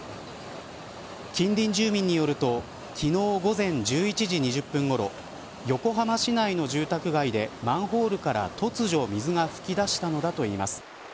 近隣住民によると昨日午前１１時２０分ごろ横浜市内の住宅街でマンホールから突如水が噴き出したのだといいます。